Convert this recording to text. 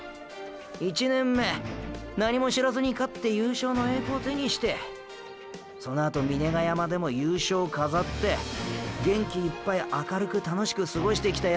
１年目何も知らずに勝って優勝の栄光手にしてそのあと峰ヶ山でも優勝飾って元気いっぱい明るく楽しくすごしてきたヤツにゃあ――。